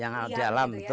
yang ada di dalam betul